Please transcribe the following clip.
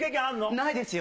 ないですよ。